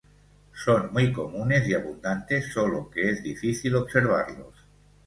Son muy comunes y abundantes solo que es difícil observarlos.